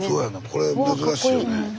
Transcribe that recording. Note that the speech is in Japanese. これ珍しいよね。